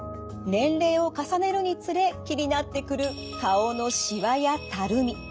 年齢を重ねるにつれ気になってくる顔のしわやたるみ。